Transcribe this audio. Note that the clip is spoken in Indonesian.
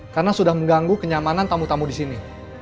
karena sudah mengganggu kenyamanan tamu tamu di sini